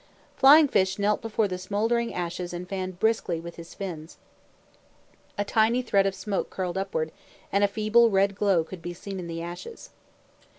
Flying fish knelt before the smoldering ashes and fanned briskly with his fins. A tiny thread of smoke curled upward, and a feeble red glow could be seen in the ashes.